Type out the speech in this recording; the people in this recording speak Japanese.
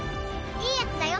いいやつだよ。